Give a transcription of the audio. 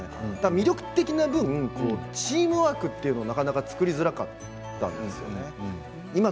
魅力的な分、チームワークがなかなか作りづらかったんです。